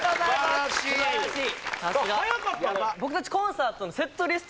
素晴らしい！